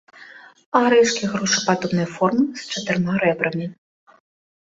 Арэшкі грушападобнай формы, з чатырма рэбрамі.